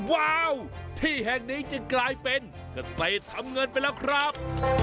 ว้าวที่แห่งนี้จึงกลายเป็นเกษตรทำเงินไปแล้วครับ